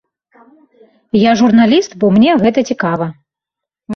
Я журналіст, бо мне гэта цікава.